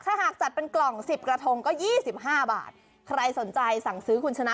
ถ้าหากจัดเป็นกล่อง๑๐กระทงก็๒๕บาทใครสนใจสั่งซื้อคุณชนะ